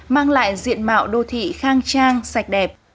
mang lại diện mạo đô thị khang trang sạch đẹp